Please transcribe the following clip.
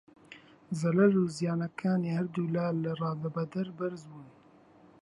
زەرەر و زیانەکانی هەردوو لا لە ڕادەبەدەر بەرز بوون.